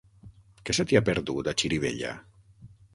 Què se t'hi ha perdut, a Xirivella?